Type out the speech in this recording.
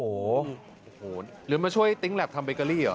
โอ้โหหรือมาช่วยติ๊งแล็ปทำเบเกอรี่เหรอ